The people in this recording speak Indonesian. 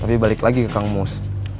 tapi balik lagi ke kang mus